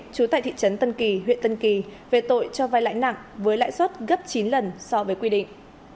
trú tại thị trấn tân kỳ huyện tân kỳ về tội cho vai lãi nặng với lãi suất gấp chín lần so với quy định